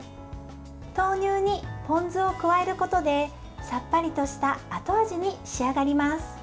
豆乳にポン酢を加えることでさっぱりとした後味に仕上がります。